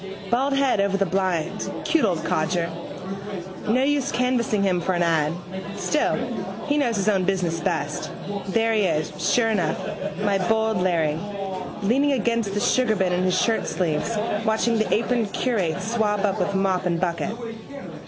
Baldhead over the blind. Cute old codger. No use canvassing him for an ad. Still he knows his own business best. There he is, sure enough, my bold Larry, leaning against the sugarbin in his shirtsleeves watching the aproned curate swab up with mop and bucket.